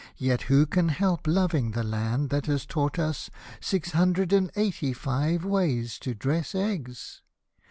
Yet, who can help loving the land that has taught us Six hundred and eighty five ways to dress eggs